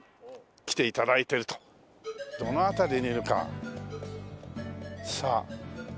どの辺りにいるかさあ。